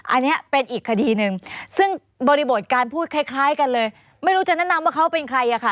อันนี้เป็นอีกคดีหนึ่งซึ่งบริบทการพูดคล้ายกันเลยไม่รู้จะแนะนำว่าเขาเป็นใครอ่ะค่ะ